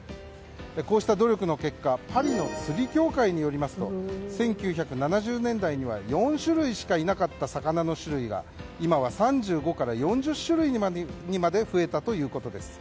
こうした努力の結果パリの釣り協会によりますと１９７０年代には４種類しかいなかった魚の種類が今は、３５から４０種類にまで増えたということです。